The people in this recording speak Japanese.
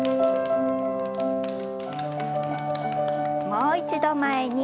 もう一度前に。